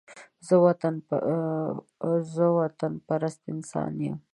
زه وطن پرست انسان يم